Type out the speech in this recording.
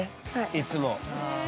いつも。